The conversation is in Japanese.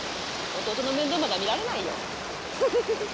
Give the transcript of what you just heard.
弟の面倒までは見られないよ。